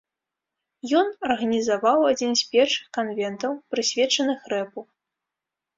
Ён арганізаваў адзін з першых канвентаў, прысвечаных рэпу.